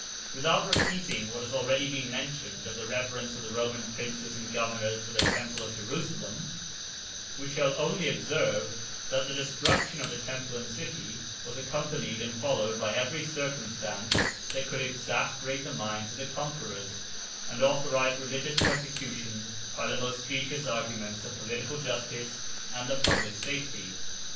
Without repeating what has already been mentioned of the reverence of the Roman princes and governors for the temple of Jerusalem, we shall only observe, that the destruction of the temple and city was accompanied and followed by every circumstance that could exasperate the minds of the conquerors, and authorize religious persecution by the most specious arguments of political justice and the public safety.